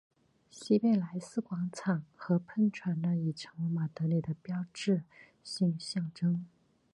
西贝莱斯广场和喷泉已成为马德里的标志性象征。